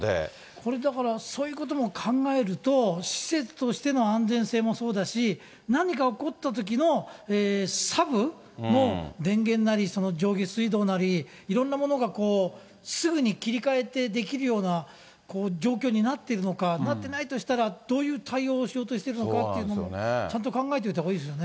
これ、だからそういうことも考えると施設としての安全性もそうだし、何か起こったときのサブも、電源なり上下水道なり、いろんなものがすぐに切り替えてできるような状況になってるのか、なってないとしたら、どういう対応をしようとしてるのかというのもちゃんと考えておいた方がいいですよね。